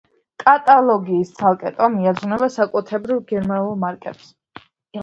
კატალოგის ცალკე ტომი ეძღვნება საკუთრივ გერმანულ მარკებს.